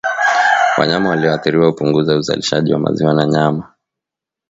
Wanyama walioathiriwa hupunguza uzalishaji wa maziwa na nyama